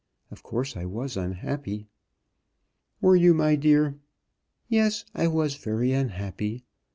Of course I was unhappy." "Were you, dear?" "Yes. I was very unhappy.